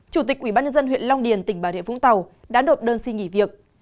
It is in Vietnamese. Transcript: chủ tịch ubnd huyện long điền tỉnh bà rịa vũng tàu đã đột đơn suy nghĩ việc